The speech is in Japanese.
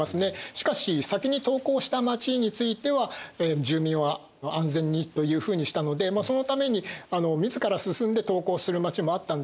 しかし先に投降した町については住民は安全にというふうにしたのでそのために自ら進んで投降する町もあったんですね。